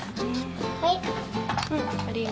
はい。